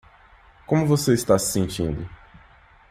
Como você está se sentindo?